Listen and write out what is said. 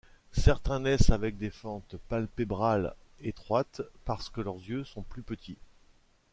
Certains naissent avec des fentes palpébrales étroites, parce que leurs yeux sont plus petits.